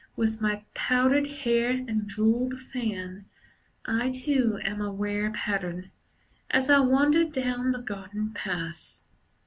With my powdered hair and jewelled fan, I too am a rare Pattern. As I wander down The garden paths.